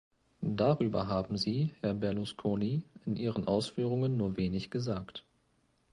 Darüber haben Sie, Herr Berlusconi, in Ihren Ausführungen nur wenig gesagt.